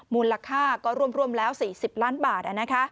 มูลค่าก็รวมแล้ว๔๐ล้านบาท